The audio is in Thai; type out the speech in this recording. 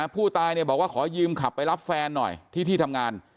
ผู้ตายบอกว่าขอยืมขับไปรับแฟนหน่อยที่ที่ทำงาน